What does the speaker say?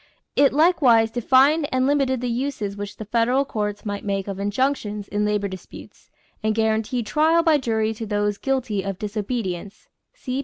It likewise defined and limited the uses which the federal courts might make of injunctions in labor disputes and guaranteed trial by jury to those guilty of disobedience (see p.